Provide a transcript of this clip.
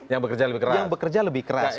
yang bekerja lebih keras